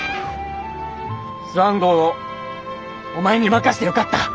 スワン号をお前に任してよかった。